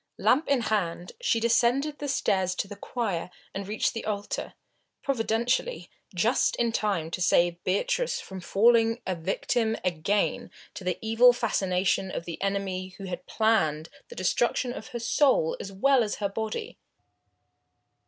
Lamp in hand she descended the stairs to the choir and reached the altar, providentially, just in time to save Beatrice from falling a victim again to the evil fascination of the enemy who had planned the destruction of her soul as well as of her body.